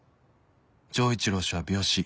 ［城一郎氏は病死］